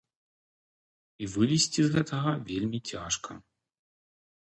І вылезці з гэтага вельмі цяжка.